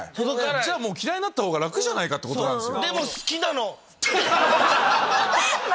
じゃあ嫌いになったほうが楽じゃないかってことなんですよ。